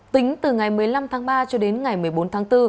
tính từ ngày một mươi năm tháng ba cho đến ngày một mươi bốn tháng bốn